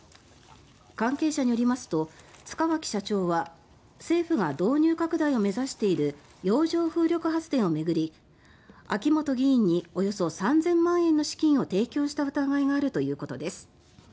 関係者によりますと塚脇社長は政府が導入拡大を目指している洋上風力発電を巡り秋本議員におよそ３０００万円の資金を提供した疑いがあるということです。